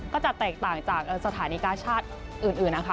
ก็จะแตกต่างจากสถานีกาชาติอื่นนะคะ